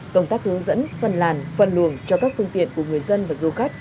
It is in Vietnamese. công tác hướng dẫn phân làn phân luồng cho các phương tiện của người dân và du khách